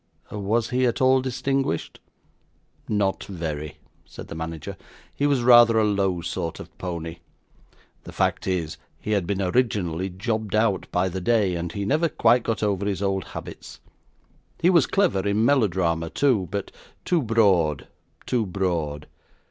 'Was he at all distinguished?' 'Not very,' said the manager. 'He was rather a low sort of pony. The fact is, he had been originally jobbed out by the day, and he never quite got over his old habits. He was clever in melodrama too, but too broad too broad.